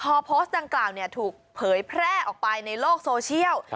พอโพสต์ดังกล่าวถูกเผยแพร่ออกไปในโลกโซเชียล